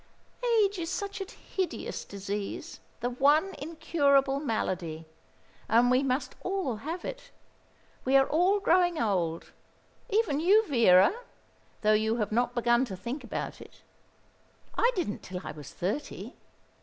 "Age is such a hideous disease the one incurable malady. And we must all have it. We are all growing old; even you, Vera, though you have not begun to think about it. I didn't till I was thirty.